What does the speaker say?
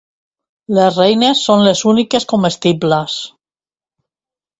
Les reines són les úniques comestibles.